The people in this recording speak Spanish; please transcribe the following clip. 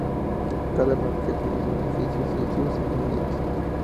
Cada analogía tiene sus beneficios y sus inconvenientes.